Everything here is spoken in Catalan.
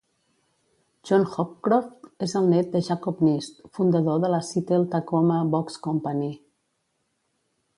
John Hopcroft és el nét de Jacob Nist, fundador de la Seattle-Tacoma Box Company.